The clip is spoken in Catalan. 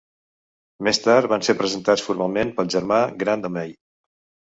Més tard van ser presentats formalment pel germà gran de May.